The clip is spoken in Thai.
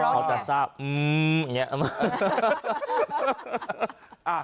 เขาจะทราบอืมอย่างนี้